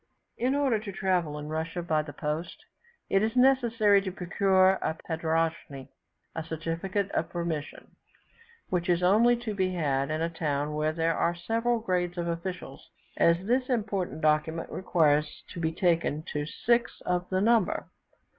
In order to travel in Russia by the post, it is necessary to procure a padroschne (certificate of permission), which is only to be had in a town where there are several grades of officials, as this important document requires to be taken to six of the number.